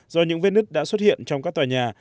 do những vết nứt đã xuất hiện trong các tòa nhà